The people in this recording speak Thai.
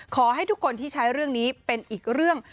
ขอให้ทุกคนที่ใช้เรื่องนี้เป็นอีกเรื่อง